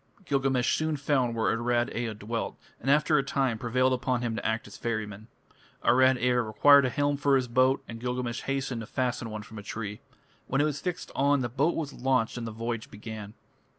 Gilgamesh soon found where Arad Ea dwelt, and after a time prevailed upon him to act as ferryman. Arad Ea required a helm for his boat, and Gilgamesh hastened to fashion one from a tree. When it was fixed on, the boat was launched and the voyage began.